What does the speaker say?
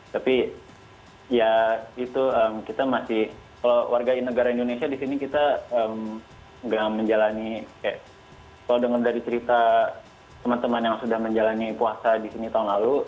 tapi ya itu kita masih kalau warga negara indonesia di sini kita nggak menjalani kayak kalau dengar dari cerita teman teman yang sudah menjalani puasa di sini tahun lalu